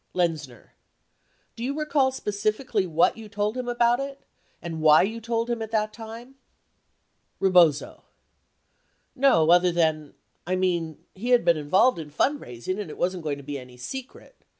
Lenzner. Do you recall specifically what you told him about it ? And why you told him at that time ? Eebozo. No other than, I mean, he had been involved in fundraising and it wasn't going to be any secret.